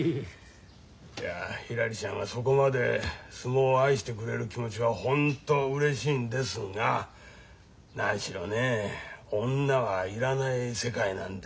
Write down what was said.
いやひらりちゃんがそこまで相撲を愛してくれる気持ちは本当うれしいんですが何しろねえ女はいらない世界なんで。